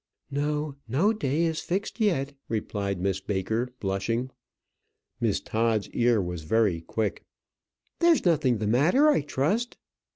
"No; no day is fixed yet," replied Miss Baker, blushing. Miss Todd's ear was very quick. "There is nothing the matter, I trust.